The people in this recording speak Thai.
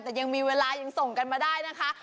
แต่ยังมีเวลายังส่งกันมาได้นะคะ